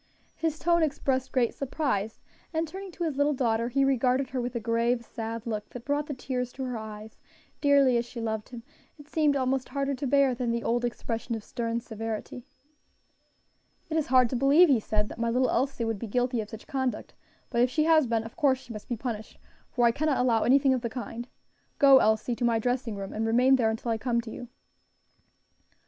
His tone expressed great surprise, and turning to his little daughter, he regarded her with a grave, sad look that brought the tears to her eyes; dearly as she loved him, it seemed almost harder to bear than the old expression of stern severity. "It is hard to believe," he said, "that my little Elsie would be guilty of such conduct; but if she has been, of course she must be punished, for I cannot allow anything of the kind. Go. Elsie, to my dressing room and remain there until I come to you."